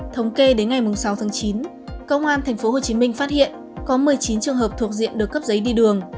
thống kê đến ngày sáu tháng chín công an tp hcm phát hiện có một mươi chín trường hợp thuộc diện được cấp giấy đi đường